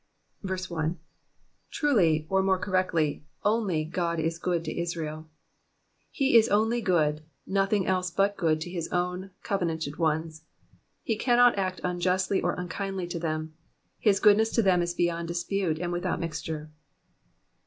1. ^^ Truly, ^^ or, more correctly, only, *^0od is good to Israel.^^ He is only good, nothing else but good to his own covenanted ones. He cannot act un justly, or unkindly to them ; his goodness to them is beyond dispute, and without mixture.